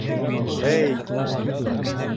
Ә-әй!